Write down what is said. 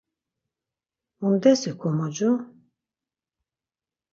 Mundes ikomocu?